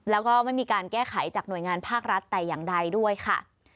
แล้วก็ไม่มีการแก้ไขจากหน่วยงานภาครัฐแต่อย่างใดด้วยค่ะ